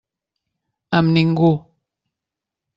Amb ningú.